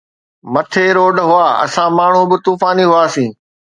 مٽي روڊ هئا، اسان ماڻهو به طوفاني هئاسين